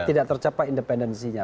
tidak tercapai independensinya